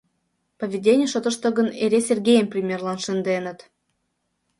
Поведений шотышто гын эре Сергейым примерлан шынденыт.